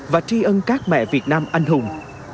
và tri ân các mẹ việt nam anh hùng